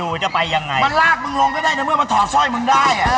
เอาไปโน้นหลับในรถหายหมด